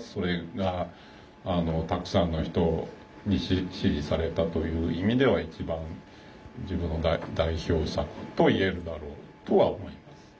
それがたくさんの人に支持されたという意味では一番自分の代表作と言えるだろうとは思います。